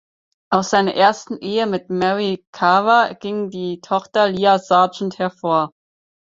Aus seiner ersten Ehe mit Mary Carver ging die Tochter Lia Sargent hervor.